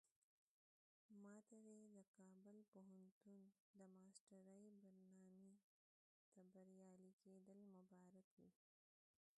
ماته دې د کابل پوهنتون د ماسترۍ برنامې ته بریالي کېدل مبارک وي.